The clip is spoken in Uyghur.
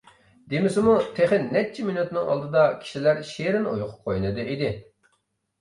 دېمىسىمۇ، تېخى نەچچە مىنۇتنىڭ ئالدىدا كىشىلەر شېرىن ئۇيقۇ قوينىدا ئىدى.